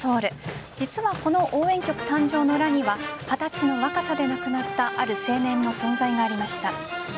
実は、この応援曲誕生の裏には二十歳の若さで亡くなったある青年の存在がありました。